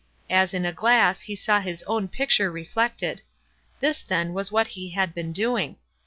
As in a glass he saw his own picture reflected. This, then, was what he had been doing.